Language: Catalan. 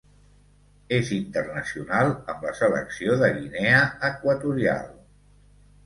És internacional amb la selecció de Guinea Equatorial.